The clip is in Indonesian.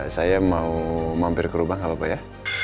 saya mau mampir ke rumah gak apa apa ya